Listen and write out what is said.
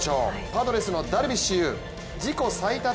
パドレスのダルビッシュ有自己最多